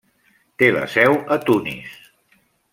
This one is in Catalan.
Té la seu a Tunis.